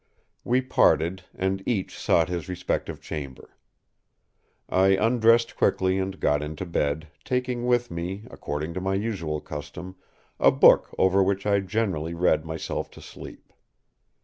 ” We parted, and each sought his respective chamber. I undressed quickly and got into bed, taking with me, according to my usual custom, a book over which I generally read myself to sleep.